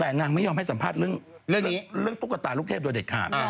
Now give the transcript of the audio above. แต่นางไม่ยอมให้สัมภาษณ์เรื่องตุ๊กตาลูกเทพโดยเด็ดขาด